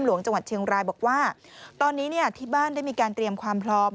หลวงจังหวัดเชียงรายบอกว่าตอนนี้ที่บ้านได้มีการเตรียมความพร้อม